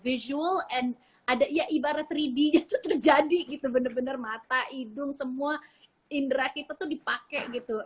visual and ibarat tiga d itu terjadi gitu bener bener mata hidung semua indera kita tuh dipake gitu